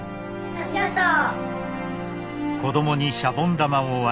ありがとう。